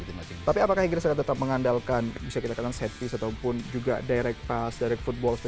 tapi apakah hegeris akan tetap mengandalkan set piece ataupun direct pass direct football